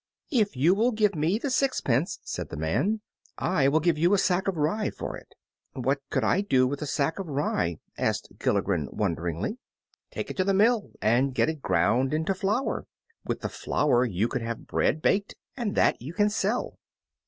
"If you will give me the sixpence," said the man, "I will give you a sack of rye for it." "What could I do with a sack of rye?" asked Gilligren, wonderingly. "Take it to the mill, and get it ground into flour. With the flour you could have bread baked, and that you can sell."